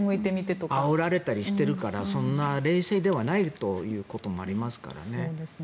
あおられたりしているからそんな冷静ではないということもありますからね。